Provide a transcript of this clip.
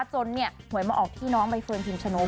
จนเหมาะออกที่น้องใบเฟิร์นทีมชะโน้ม